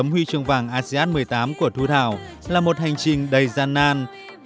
giấm huy trường vàng asean một mươi tám của thu thảo là một hành trình đầy gian nan